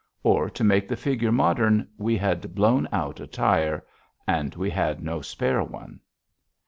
Or, to make the figure modern, we had blown out a tire. And we had no spare one.